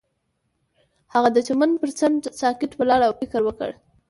هغه د چمن پر څنډه ساکت ولاړ او فکر وکړ.